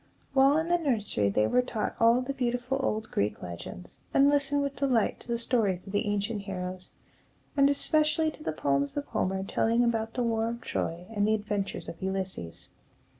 While in the nursery, they were taught all the beautiful old Greek legends, and listened with delight to the stories of the ancient heroes, and especially to the poems of Homer telling about the war of Troy and the adventures of Ulysses.